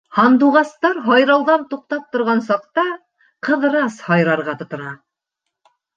Һандуғастар һайрауҙан туҡтап торған саҡта, Ҡыҙырас һайрарға тотона.